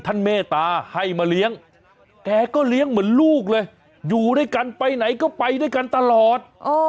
เมตตาให้มาเลี้ยงแกก็เลี้ยงเหมือนลูกเลยอยู่ด้วยกันไปไหนก็ไปด้วยกันตลอด